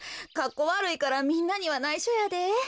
かっこわるいからみんなにはないしょやで。